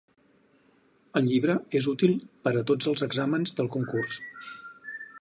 El llibre és útil per a tots els exàmens del concurs.